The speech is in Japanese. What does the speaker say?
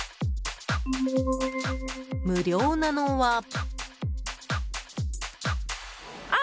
無料なのは。